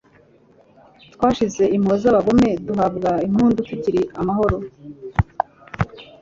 Twashize impuhwe z'abagome duhabwa impundu tukiri amahoro,